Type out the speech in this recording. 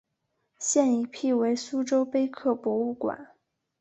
现已辟为苏州碑刻博物馆。